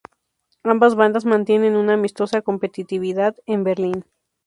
Ambas bandas mantienen una amistosa competitividad en Berlín.